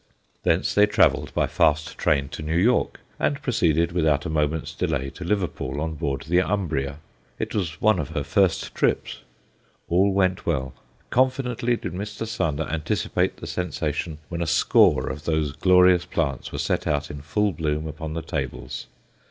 Thence they travelled by fast train to New York, and proceeded without a moment's delay to Liverpool on board the Umbria; it was one of her first trips. All went well. Confidently did Mr. Sander anticipate the sensation when a score of those glorious plants were set out in full bloom upon the tables.